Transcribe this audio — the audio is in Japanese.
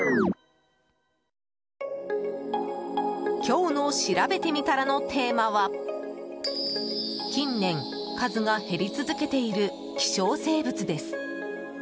今日のしらべてみたらのテーマは近年、数が減り続けている希少生物です。